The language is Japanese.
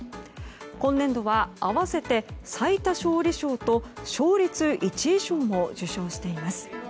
今年度は、合わせて最多勝利賞と勝率一位賞も受賞しています。